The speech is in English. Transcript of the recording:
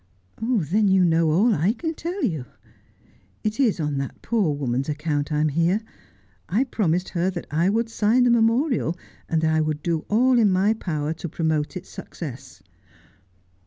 ' Then you know all I can tell you. It is on that poor woman's account I am here. I promised her that I would sign the memorial, and that I would do all in my power to promote its success.